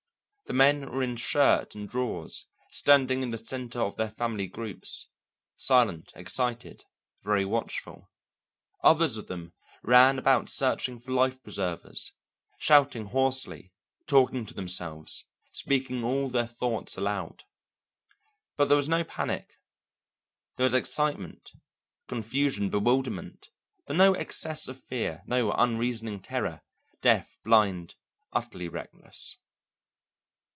The men were in shirt and drawers, standing in the centre of their family groups, silent, excited, very watchful; others of them ran about searching for life preservers, shouting hoarsely, talking to themselves, speaking all their thoughts aloud. But there was no panic; there was excitement, confusion, bewilderment, but no excess of fear, no unreasoning terror, deaf, blind, utterly reckless.